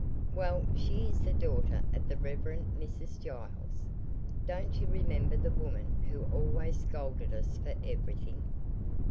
Well, she is the daughter of the Reverend Mrs. Giles. Don't you remember the woman who always scolded us for everything?